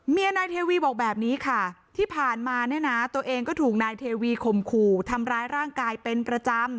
นายเทวีบอกแบบนี้ค่ะที่ผ่านมาเนี่ยนะตัวเองก็ถูกนายเทวีข่มขู่ทำร้ายร่างกายเป็นประจำ